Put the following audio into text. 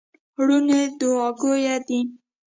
لوڼي دوعا ګویه دي.